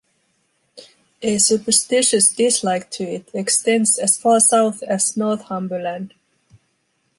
A superstitious dislike to it extends as far south as Northumberland.